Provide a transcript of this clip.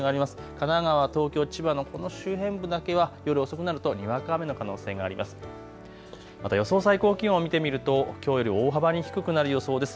神奈川、東京、千葉のこの周辺部だけは夜遅くなるとにわか雨の可能性があります。